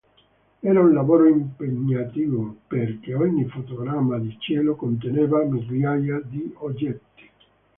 Era un lavoro impegnativo perché ogni fotogramma di cielo conteneva migliaia di oggetti.